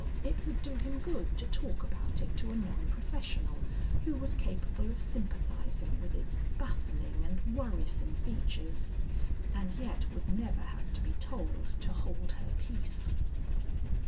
it would do him good to talk about it to a non professional who was capable of sympathizing with its baffling and worrisome features and yet would never have to be told to hold her peace.